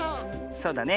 そうだね。